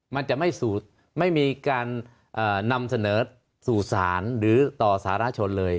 มันจะไม่มีการนำเสนอสู่ศาลหรือต่อสารชนเลย